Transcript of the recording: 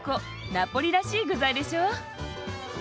ナポリらしい具材でしょう。